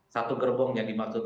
satu gerbong yang dimaksud